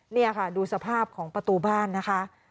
นี่ค่ะดูสภาพของประตูบ้านนะคะ